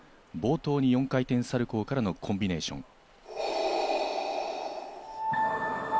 冒頭に４回転サルコーからのコンビネーション。